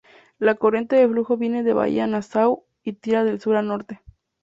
La corriente de flujo viene de bahía Nassau y tira de sur a norte.